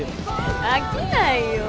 飽きないよ。